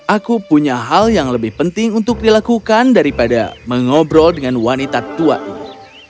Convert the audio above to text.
aku punya hal yang lebih penting untuk dilakukan daripada mengobrol dengan wanita tua ini